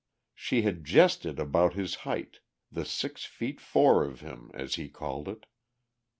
She had jested about his height; the six feet four of him, as he called it....